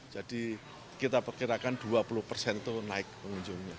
jadi kita perkirakan dua puluh persen itu naik pengunjung